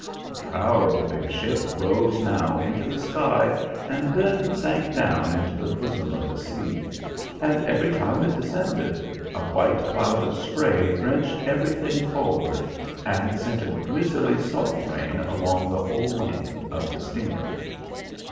The prow of the big ship rose now into the sky and then sank down into the bosom of the sea, and every time it descended a white cloud of spray drenched everything forward and sent a drizzly salt rain along the whole length of the steamer.